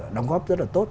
đóng góp rất là tốt